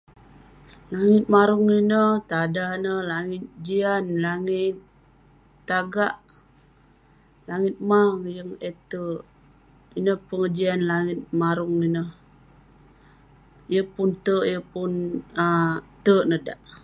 Langit marung ineh, tanda neh langit jian, langit tagak, langit mang..yeng eh terk..ineh pengejian langit marung ineh.. yeng pun terk..yeng pun um terk neh dak.